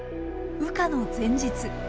羽化の前日。